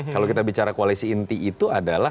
kalau kita bicara koalisi inti itu adalah